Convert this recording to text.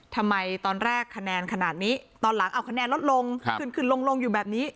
ทำไมตอนแรกคะแนนขนาดนี้ตอนหลังเอาคะแนนลดลงขึ้นขึ้นลงอยู่แบบนี้